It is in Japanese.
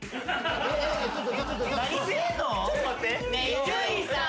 伊集院さん！